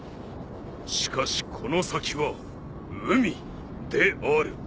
しかしこの先は海である。